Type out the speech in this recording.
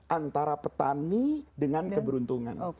antara petani dengan keberuntungan